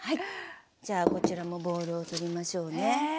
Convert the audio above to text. じゃあこちらもボウルを取りましょうね。